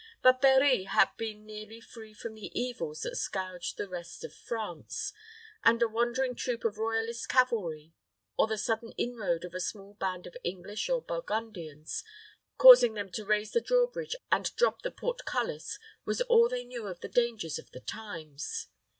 But Berri had been nearly free from the evils that scourged the rest of France, and a wandering troop of Royalist cavalry, or the sudden inroad of a small band of English or Burgundians, causing them to raise the draw bridge and drop the portcullis, was all they knew of the dangers of the times.